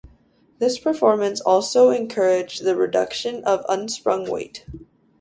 This performance also encouraged the reduction of unsprung weight.